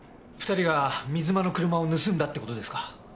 ２人が水間の車を盗んだって事ですか？